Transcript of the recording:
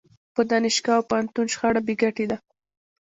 په دانشګاه او پوهنتون شخړه بې ګټې ده.